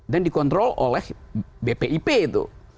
dan dikontrol oleh bpip itu